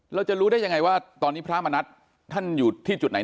เราจะรู้ได้ยังไงว่าตอนนี้พระมณัฐท่านอยู่ที่จุดไหน